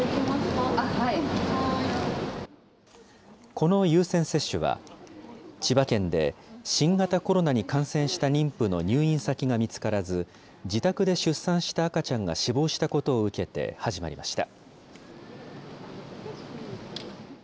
この優先接種は、千葉県で新型コロナに感染した妊婦の入院先が見つからず、自宅で出産した赤ちゃんが死亡したことを受けて始まりました。